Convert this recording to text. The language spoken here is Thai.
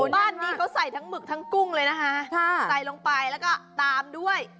บ้านนี้เขาใส่ทั้งหมึกทั้งกุ้งเลยนะคะใส่ลงไปแล้วก็ตามด้วย